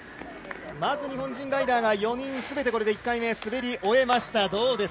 まず日本人ライダー４人全て１回目、滑り終わりました。